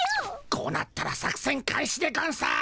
こうなったら作戦開始でゴンス。